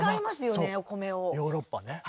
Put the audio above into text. ヨーロッパね。